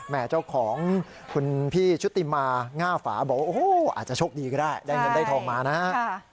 เจ้าของคุณพี่ชุติมาง่าฝาบอกว่าโอ้โหอาจจะโชคดีก็ได้ได้เงินได้ทองมานะฮะ